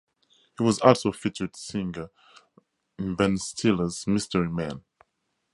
He was also a featured singer in Ben Stiller's Mystery Men.